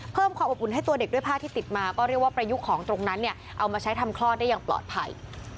โปรดติดตามตอนต่อไป